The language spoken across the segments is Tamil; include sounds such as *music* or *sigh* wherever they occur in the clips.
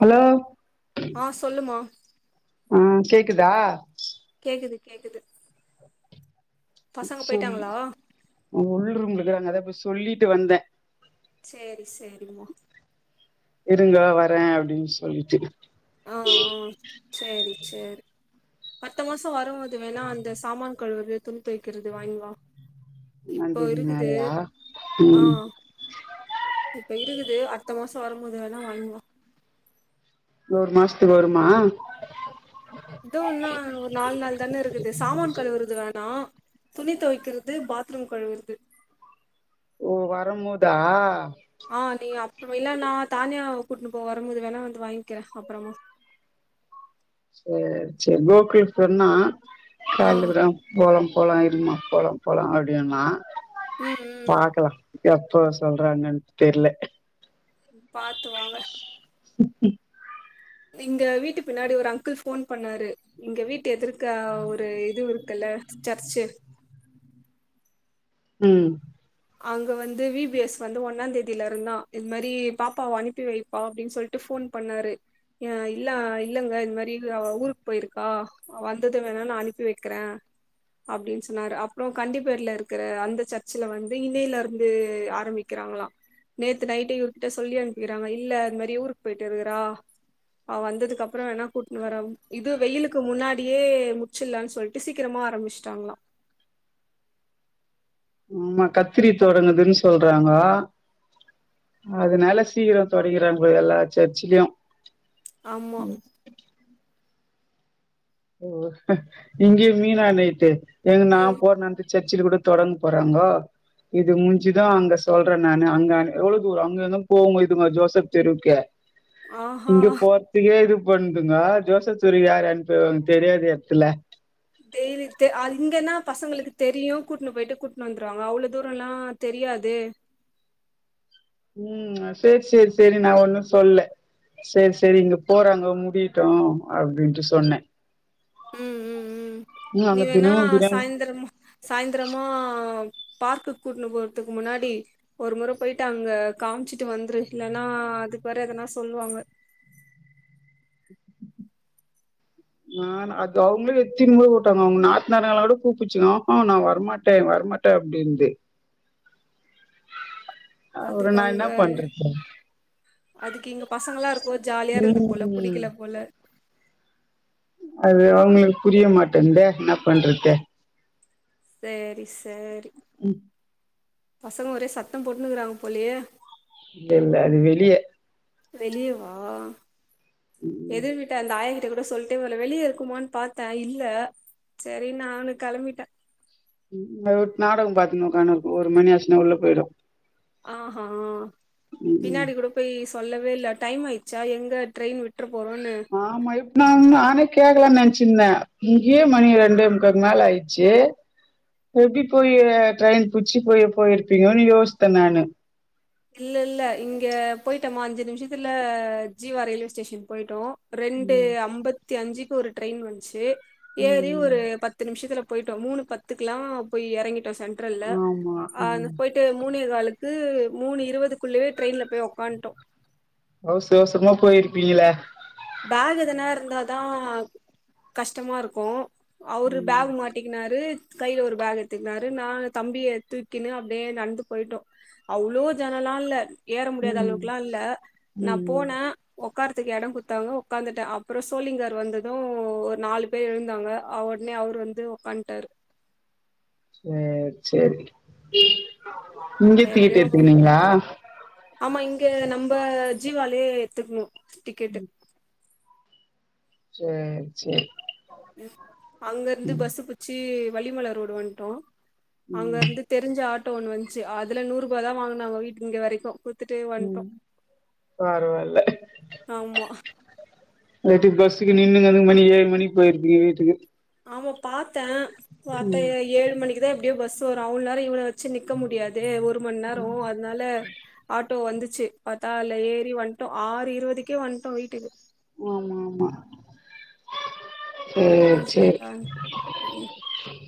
ஹலோ ஆஹ் சொல்லுமா ஆஹ் கேக்குதா கேக்குது கேக்குது பசங்க சொல்ல போயிட்டாங்களா உள்ளம்ல றாங்க அத போப்பய் சொல்லிட்டு வந்தேன் சரி சரிமா துங்க வரேன் அப்படின்னு சொல்லிட்டு இரு ஆஹ் ஹ் சரி சரி அடுத்த மாசம் வரும்போது வேணா அந்த சாமான் கழுவறது துணி துவைகறது வாங்கி வா இப்போ ஒன்னாந்தேதி இருக்குது மேலயா ம் ஆஹ் இப்ப இருக்குது த்த மாச வர முதுல்ல வாங்குவ ஒரு மாசத்துக்கு வருமா இதுவும்னா ன்னா ஒரு நாலு நாள் தானே இருக்குது சாமான் கழுவுறது வேணாம் துணி துவைக்கிறது பாத்ரூம் கழுவுறது ஓ வர போதா ஆஹ் நீ அப்புறம் இல்ல நா தானியா கூட்டுனு போக வரும்போது வேணா வந்து வாங்கிக்கிறே அப்புறமா சரி சரி கோகுல் சொன்ன ஆ *unintelligible* போலம் போலாம் இருமா போல போல அப்படினா ம் பாக்கலா எப்போ சொல்றாங்கன்னு தெரியல *inaudible* பாத்த வாங்க *inaudible* இங்க வீட்டு பின்னாடி ஒரு அங்கிள் போன் பண்ணாரு இங்க வீட்டு எதிர்க ஒரு இது இருக்குல்ல சர்ச்சு உம் அங்க வந்து வி பி எஸ் வந்து ஒன்னாம் தேதியில இருந்தா இது மாதிரி பாப்பாவ அனுப்பி வைப்பா அப்படின்னு சொல்லிட்டு போன் பண்ணாரு இல்ல இல்லங்க இது மாதிரி ஊருக்கு போயிருக்கா வந்ததும் வேணாம் நா அனுப்பி வைக்கிற அப்படின்னு சொன்னாரு அப்புறம் கண்டிப்பர்ல இருக்கற அந்த சர்ச்சல வந்து வந்து இணையில இருந்து ஆரம்பிக்கிறாங்களாம் நேத்து நைட்ட விட்டுட்ட சொல்லி அனுப்பிக்கிறாங்க இல்ல அது மாதிரி ஊருக்கு போயிட்டு இருக்கிறா ஆஹ் வந்ததுக்கு அப்புறம் வேனா கூட்டன்னு வர இது வெயிலுக்கு முன்னாடியே முச்சில்லனு சொல்லிட்டு சீக்கிரமா ஆரம்பிச்சட்டாங்களா ஆமா கத்திரி தொடங்குதுன்னு சொல்றாங்க அததுனால சீக்கிரம் தொடங்கறாங்க எல்லா சர்ச்சலயும் ஆமா ஓ இங்கய மீன அ நயட்டு எங்க நா ம் போ நந்துச்ச சர்ச்ல கூட தொடங்க போறாங்கோ இது முடிஞ்சுதா அங்க சொல்றேன் நானு அங்க எவ்வளவு தூரம் அங்க இருந்தும் போவங்க இதுங்க ஜோசப் தெருக்கு ஆஹா இங்க பொறத்துக்கே இது கொண்ணதுங்க ஜோசப் தெரு யார் ம் தெரியாது இடத்துல டெய்லி த் இங்கன்னா பசங்களுக்கு தெரியும் கூட்டுனு போயிட்டு கூட்டினு வந்துருவாங்க அவ்வளவு தூரம் எல்லாம் தெரியாது உம் சரி சரி சரி நா ஒண்ணும் சொல்ல சரி சரி இங்க போறாங்க முடியட்டும் அப்படின்ட்டு சொன்னே உம் உம் உம் ம் அங்க நீவனா தினமு பிரியாணி சாயந்திரம்மா சாயந்திரமா பார்க்கு கூட்டுனு போறதுக்கு முன்னாடி ஒரு முற போயிட்டு அங்க காமிச்சுட்டு வந்துரு இல்லன்னா அதுக்கு வேற எதனா சொல்லுவாங்க நான் ஆஹ அது அவங்களும் எத்தின் போட்டாங்க அவங்க நாத்த நேர நாளோட கூப்பிச்சுக்கஹ நான் வரமாட்டேன் வரமாட்டேன் அப்படிங்கூது அதுக்கு அங்க அதுக்கு இங்க பசங்களாம் இருக்கோ ஜாலியா இருக்குது போல ம் புடிக்கல போல அது அவங்களுக்கு புரிய மாட்டேந்த என்ன பண்றது சரி சரி ம் பசங்க ஒரே சத்தம் போட்டுன்னுங்கிறாங்க போலேயே இல்ல இல்ல அது வெளியே வெளியே வா ம் எதிர்விட்ட அந்த ஆயங்க கூட சொல்லிட்டே ஒரு வெளியே இருக்குமனு பார்த்தே இல்ல சரி நான்னு கிளம்பிட்டே ம் ஒரு நாடகம் பாரத்துன்னு உக்கானனு இருக்கும் ஒரு மணிச்சுன்னா உள்ள போயிடும் ஆஹ் ஆஹ் பின்னாடி குடுப்பயீச் சொல்லவே இல்ல டைம் ஆயிச்சா எங்க ட்ரெயின் விட் ட்டுற போறோன்னு நான் நானே கேக்குலான் நெனச்சிருந்தே இங்கேயே மணி ரெண்டே முக்காகு மேல ஆயிச்சு எப்டி போய் ட்ரெயின் புச்சி போய் போயிருப்பீங்கோன் யோஸ்த்த நானு இல்ல இல்ல இங்க போயிட்டோமா அஞ்சு நிமிஷத்துல ஜீவா ரயில்வே ஸ்டேஷன் போயிட்டோ ரெண்டு ம் அம்பத்தி அஞ்சிக் ஒரு ட்ரெயின் வண்ச்சு ஏறி ம் ஒரு பத்து நிமிஷத்துலப் போயிட்டோ மூணு பத்துக்குல்லா போய் எறங்கி ட்டோ சென்ட்ரல்ல ஆமா ஆ இந்து ம் போயிட்டு மூனே காலுக் க்கு மூணு இருவதுக்குள்ளயே ட்ரெயின்ல போய் உக்காண்டோ அவுஸ் அவுசுரமா போயிருப்பீங்கிளே பேகு எதுனா இருந்ததா கஷ்டமா இருக்கு அவுரு பேகு மாட்டிகினாரு கையில ஒரு பேகு எத்துக்குனாரு நா தம்பிய தூக்கின்னு அப்டியே நடந்து போயிட்டோ அவ்ளோ ஜனலால்ல ஏற முடியாது ம் அளவுக்குல்லா இல்ல ம் நா ம் போன உக்காருத்துக்கு எடம் குடு த்தாங்கோ உக்காந்துட்டே அப்புறோ சோழிங்கர் வந்தது ஒரு நாலு பேர் எழுந்தாங்க அவ்வுடனே அவுரு வந்து உக்காண்டாரு சேர் சேரி இங்கே திக்ட்டு எப்டியோ எடுத்துகினிங்குளா ஆமா இங்க நம்ம ஜீவாலியே எத்துக்குணும் டிக்கேட்டு சேர் சேரி அங்க இருந்து ம் பஸ்சு புச்சி வளிமலர் ரோடு வண்டோ அங்க ம் இருந்து தெரிஞ்ச ஆட் ட்டோ ஒன்னு வன்சு அதுல நூறு ரூபா தா வாங்குனாங்க வீட் இங்க வரைக்கு குடுத்துட்டு வந்ட்டோ ம் பரவால்ல ஆமா நைட்டுக் பஸ்சுக்கு நின்னுனாலு மணி ஏழு மணி போயிருப்பீங்க வீட்டுக்கு *unintelligible* பாத்தே பாத்தா ஏ ஏழு மணிக்கு தான் எப்டியோ பஸ் ஓர் அவுள் நேர இவுன வெச்சு நிக்க முடியாதே ஒரு ஒர் மண் நேரோ அதுனால ஆட் டோ வந்துச்சு பாத்தா அதுல ஏறி வண்டோ ஆறு இருவதுக்கே வண்டோ வீட்டுக்கு ஆமா ஆமா சேரி ஈசியாதா ம்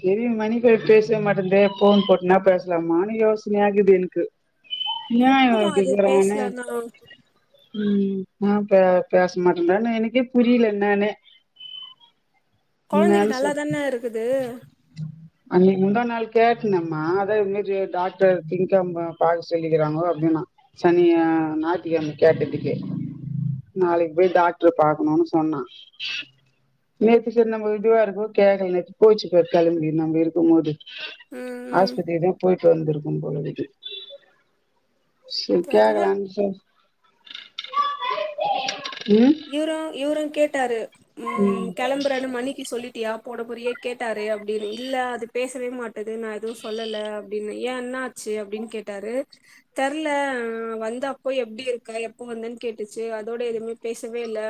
சேரி *unintelligible* மணிக பேசவே மாட்டந்தே ஃபோன் போட்டுனா பேசலாமானு யோசனை ஆகுது எனக்கு நியாய வேற உட்ருமா அது கேக்குறானே பேசலன்னா உம் நா பே பேச மட்டதான எனக்கே புரியல என்னானு கொழந்தைக்கு என்னான்னு நல்லாதானே இருக்குது அன்னைக்கி முந்தா நாள் கேட்டனம்மா அத *unintelligible* டாக்டர் திங்கம பா சொல்லிக்கிறாங்கோ அப்டின்ன சனிய நாய்ட்டிகழமை கேட்டதுக்கு நாளைக்கி போய் டாக்டர் பாக்கணும்னு சொன்னா நே சேரி நம்ம இதுவா இருக்கு கேக்கல நேத்து போச்சு பாரு கெளம்பி நாங்க இருக்கு போது ம் ம் ஆஸ்பித்திரி தா போய் வந்திருக்கு போல இருக்கு சரி தெர்ல கேகலானு சார் ம் இவரு இவரு கேட் ட்டாரு உம் ம் கிளம்புறானு மணிக்கு சொல்லிட் டியா போட புரிய கேட்டாரு அப்டின்னு இல்ல அது பேசவே மாட்டது நா எதுவு சொல்லல அப்டின்னு ஏ என்ன ஆச்சு அப்டின்னு கேட்டாரு தெரல வந்த அப்போ எப்டி இருக்கா எப்போ வந்தன்னு கேட்டுச்சு அதோட எதுவுமே பேசவே இல்ல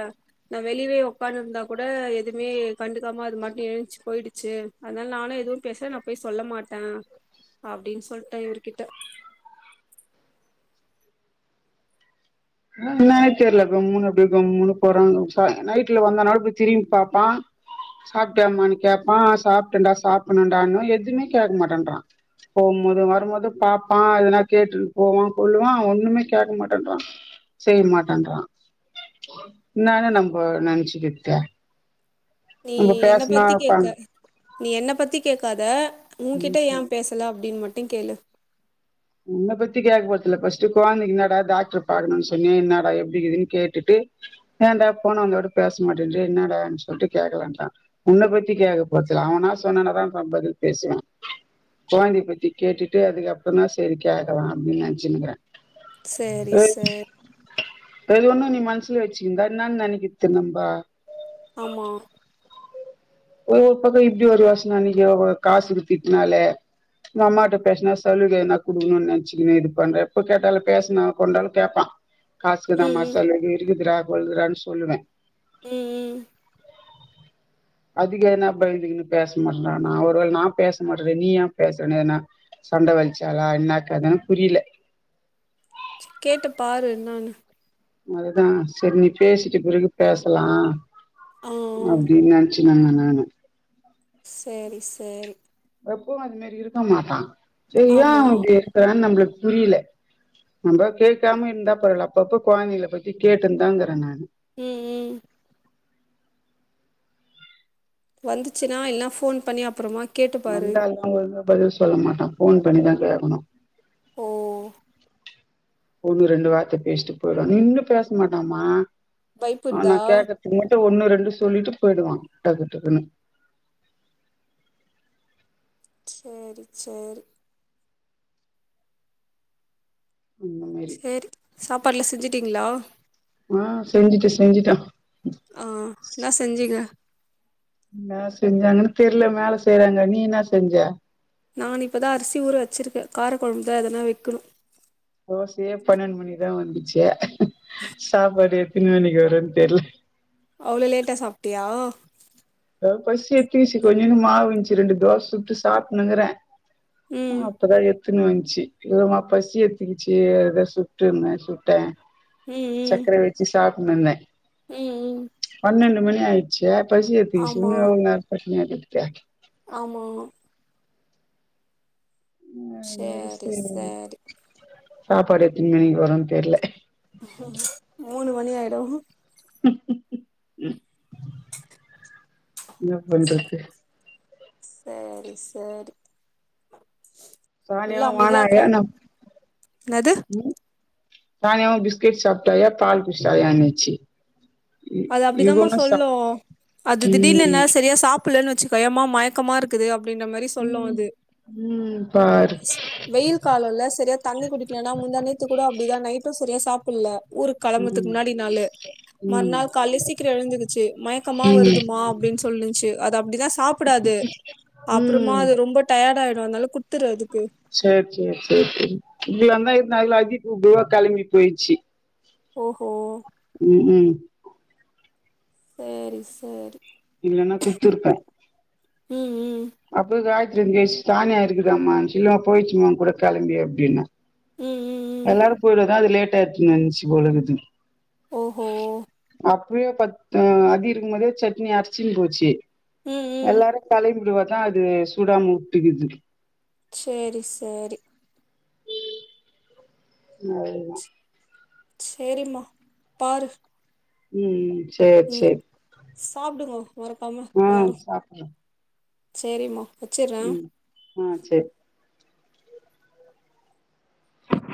நா வெளியவே உக்கானு இருந்தா கூட எதுவுமே கண்டுக்காம அது மட்டு எழுச்சு போயிடுச்சு அதனால நானு எதுவு பேசல நா போய் சொல்ல மாட்டே அப்டின்னு சொல்லிட்டே இவர் கிட்ட என்னனே தெரியல கம்முனு அப்படிய கம்முனு போறாங்க நைட்ல வந்தனாலு போய் திரும்பி பாப்பான் சாப்பிட்டயாமான்னு கேட்பா சாப்பிட்டேன்டா சாப்பிடனன்டான்னு எதுவுமே கேட்க மாட்டேன்றா போகும் போது வரும்போது பாப்பா எதுனா கேட்டுட்டு போவா கொல்லுவா ஒண்ணுமே கேட்க மாட்டேறா செய்ய மாட்டேன்றா என்னானு நம்ம நெனைச்சிக்கிது நீ என்ன பத்தி கேக்க நீ என்ன பத்தி கேக்காத உன்கிட்ட ஏ ம்ஹூம் பேசலா அப்டின்னு மட் டிங் கேளு உன்னப் பத்தி கேக் போறதுல பஸ்ட்ட் கொழந்தைக்கு என்னாடா டாக்டர் பாக்கணும்னு சொன்னயா என்னாடா எப்டிக்குதுன்னு கேட்டு ஏன்டா பொண்ணு வந்தோட பேச மாட்டேங்கறயே என்னடா சொல்லிட்டு கேக்கலறான் உன்னனை பத்தி கேக்க போதுல அவனா சொன்னன தா பதில் பேசுவே கொழந்தையை பத்தி கேட்டுட்டு அதுக்கப்புற தா சரி கேக்கல அப்டின்னு நெனச்சிட்டிருகறே செரி சார் *unintelligible* ஒண்ணும் நீ மனசுல வச்சிக்கக்க இருந்தா என்னன்னு நெனைக்கறது நம்ப ஆமா ஒரு ஒரு பக்கம் இப்டி ஒரு யோசன இன்னை *unintelligible* காசுக்கு திட்டனாலே உங்க அம்மாட்ட பேசுனா சலுகைன குடுக்கணும்னு நெனைச்சிக்கக்கணே இது பண்றன் இப்ப கேட்டாலு பேசுனா கொண்டாலு கேப்பா காசுகுத ம் ம் *unintelligible* இருக்குதுருடா கொல்கிறானு சொல்லுவ உம் உம் அதுக்கு எதனா பயந்துக்குன்னு பேச மாடறான்னா நா ஒருவேளை நா பேச மாடறேன் நீயன் பேசுறனு ஏனா சண்டை வலிச்சாளா என்னாக் கதன்னு புரியல கேட்டு பாரு என்னானு அதுதா செரி நீ பேசிட்டு பிறகு பேசலா ஆ அப்டின்னு நெனச்சு *unintelligible* நானு செரி செரி எப்பவூ அது மாரி இருக்க மாட்டா செரி ஏ ஆமா அவ அப்டி இருக்குறா நம்ளுக் புரீலே நம்ப கேக்காம இருந்தா பரவால அப்பப்ப கொழந்தைகள பத்தி கேட்டுந்தாருக்கிறே நானு ம் ம் வந்துச்சுன்னா இல்லன்னா ஃபோன் பண்ணி அப்றமாக் வந்தாலுமா ஒழுங்கா பதில் சொல்ல மாட்டா ஃபோன் பண்ணிதா கேக்கணூ ஓ ஒன்னு ரெண்டு வார்த்த பேசிட்டு போயிடுவா நின்னு பேச மாட்டாமா ஆ நா பயப்புட்தா கேக்றதுக் மட்டூ ஒன்னு ரெ ந்து சொல்லிட்டு போயிடுவா டக்கு டக்குன்னு சேரி சேரி அந்த மாரி செரி சாப்பாடுலா செஞ்சுட்டீங்ளா ஆ செஞ்சுட்டே செஞ்சுட்டே ஆ என்னா செஞ்சீங்க என்னா செஞ்சாங்கன்னு தெர்ல மேல செய்றாங்க நீ என்ன செஞ்ச நானிப்பதா அரிசி ஊற வச்சிருக்கே கார குழம்புதா எதுனா வெக்கணூ தோசையே பன்னெண்ட் மணிக்கிதா வந்துச்சு சாப்பாடு எத்தினி மணிக்கி வரூன்னு தெர்ல அவ்ளோ லேட்டா சாப்ட்டியா பசி எட்த்துச்சு கொஞ்சோன்னு மாவுந்துச்சு ரெண்டு தோச சுட்டு சாப்ட்னுங்கிறே ஆ ம் அப்பதா எப் த்துன்னு வந்துச்சு இல்லமா பசி எட்த்துக்கிச்சு அதா சுட்டுருந்தே சுட்டே ம் ம் சாப்னுந்தே ம் ம் னன்டு மணியாய்ச்சு பஸ் ஆமா பேசுனமே *unintelligible* நீயாது இருப்யா ஆமா அதுமாரி சேரி சரி சேரி சாப்பாடு எத்தினி மணிக்கு வரூன்னு தெர்ல மூணு மணி ஆயிர் ரோ என்ன பண்றது சேரி சேரி *unintelligible* புள்ள அமைதியா இருக்குறாங்க என்னது தாயாவூ பிஸ்கட் சாப்டாங்க பால் குடிச்டாங்க அன்னச்சி அது அப்டிதாமா சொல்லூ அது திடீர்னு என்னால செரியா சாப் பிட்ல வச்சுக்கோயே யம்மா மயக்கமாருக்குது அப் அப்டின்ற மாரி சொல்லூ அது பாரு வெயில் காலோல செரியா தண்ணி குடிக்கலனா முந்தாநேத்து கூட அப்டிதா நைட்ரோஸ் செரியா சாப்பிட்ல ஊருக் கெளம்பர்த்துக்கு முன்னாடி நாளு மற்நா லே சீக்கிரோ எழுந்துகிச்சி மயக்கமா ம் வருதுமா அப்டின்னு சொல்லுன்ச்சி அது அப்டிதா சாப்புடாது அப்புறுமா அது ரொம்ப டய டயாடா ஆயிடோ அதுனால குட் செரி செரி செரி செரி இங்கிலாந்தா இருந்த அதுகுள்ள ஆகி டூக்குள்ளா களம்பி போயிச்சி ஒ ஓ உ உம் செரி செரி இல்லன்னா குத்திருப்பே உம் உம் *unintelligible* திரிங்கேஸ் தானியா இருக்குதாமான்ச்சி இல்மா போயிச்சும்மா அவுனுங் கூட கிளம்பி அப்டின்னே ம் ம் ம் எல்லாரோ போயிடுதா அது லேட் ட்டனு நடந்ச்சி போலக்குது ஒ ஓ ஆ அபி இருக்கும்போதே சட்னி அர்ச்சின் போச்சி ம் ம் எல்லாரோ தலை நிமிருவார் னா அது சுடாம்னு உட்டுக்கிது சேரி செரி நல்தா செரிமா பாரு உம் உம் சேர் ம் செரி சாப்டுங்கோ ஆ சாப்டே செரிமா உம் ஆ செரி